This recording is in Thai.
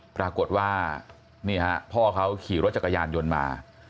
ปรากฏว่านี่ฮะพ่อเขาขี่รถจักรยานยนต์มา